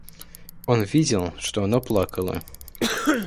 Он видел, что она плакала.